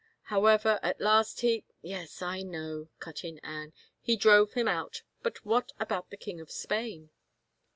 However, at last he —"" Yes, I know," cut in Anne. " He drove him out. But what about the king of Spain